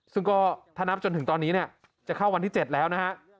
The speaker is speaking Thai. ซึ่งก็ถ้านับจนถึงตอนนี้เนี่ยจะเข้าวันที่๗แล้วนะฮะ